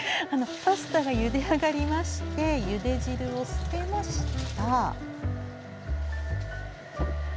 パスタがゆで上がりましてゆで汁を捨てました。